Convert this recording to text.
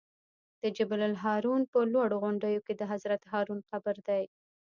د جبل الهارون په لوړو غونډیو کې د حضرت هارون قبر دی.